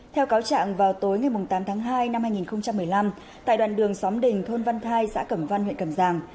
theo cáo trạng vào tối ngày tám tháng hai năm hai nghìn một mươi năm tại đoàn đường xóm đỉnh thôn văn thai xã cẩm văn huyện cẩm giàng